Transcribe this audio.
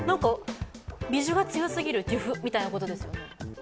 ビジュが強すぎる、デュフみたいなことですよね。